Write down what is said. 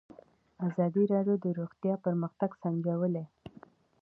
ازادي راډیو د روغتیا پرمختګ سنجولی.